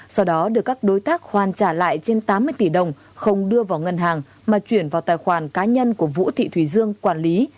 sau đó được các đối tác hoàn trả lại trên tám mươi tỷ đồng không đưa vào ngân hàng mà chuyển vào tài khoản cá nhân của vũ thị thùy dương quản lý